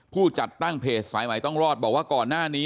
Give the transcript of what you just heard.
ผู้จัดตั้งเพจสายใหม่ต้องรอดบอกว่าก่อนหน้านี้